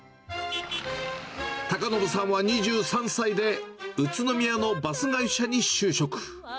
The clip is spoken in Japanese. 高信さんは２３歳で、宇都宮のバス会社に就職。